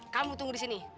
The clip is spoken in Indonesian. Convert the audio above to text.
kamu tunggu di sini